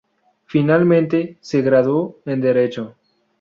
Finalmente, se graduó en Derecho.